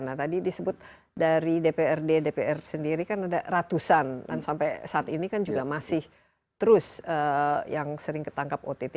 nah tadi disebut dari dprd dpr sendiri kan ada ratusan dan sampai saat ini kan juga masih terus yang sering ketangkap ott